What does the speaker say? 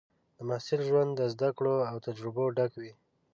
د محصل ژوند د زده کړو او تجربو ډک وي.